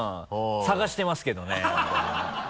探してますけどね。